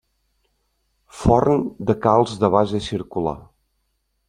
Forn de calç de base circular.